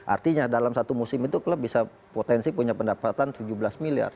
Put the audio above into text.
artinya dalam satu musim itu klub bisa potensi punya pendapatan tujuh belas miliar